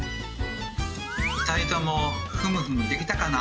２人ともふむふむできたかな？